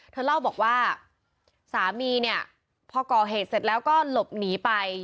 เธอเล่าบอกว่าสามีเนี่ยพอก่อเหตุเสร็จแล้วก็หลบหนีไป